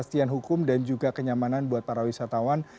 kepastian hukum dan juga kenyamanan buat para wisatawan